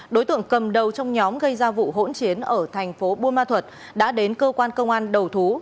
đối tượng cầm đầu trong nhóm gây ra vụ hỗn chiến ở thành phố buôn ma thuật đã đến cơ quan công an đầu thú